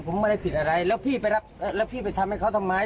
ผมไม่ได้ผิดอะไรแล้วพี่ไปรับแล้วพี่ไปทำให้เขาทำไม